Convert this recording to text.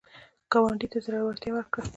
ګاونډي ته زړورتیا ورکړه